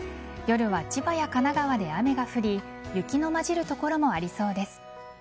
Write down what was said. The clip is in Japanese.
夜は千葉や神奈川で雨が降り雪の混じる所もありそうです。